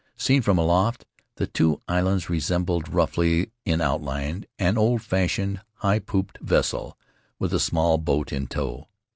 Seen from aloft, the two islands resembled, roughly, in outline, an old fashioned, high pooped vessel with a small boat in tow.